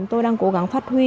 tôi đang cố gắng phát huy